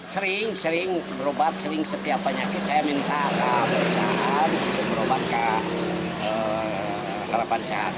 sering sering berobat setiap penyakit saya minta ke perusahaan sering berobat ke harapan sehat